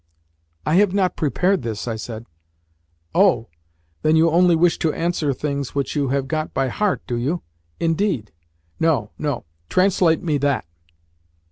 "I have not prepared this," I said. "Oh! Then you only wish to answer things which you have got by heart, do you? Indeed? No, no; translate me that."